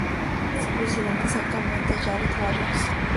Su presidente es actualmente Jarrett Barrios.